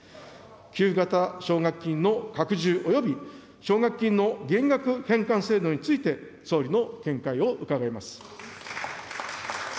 給付型奨学金の拡充および奨学金の減額返還制度について総理の見解を伺います。